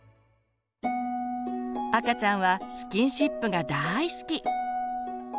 赤ちゃんはスキンシップが大好き。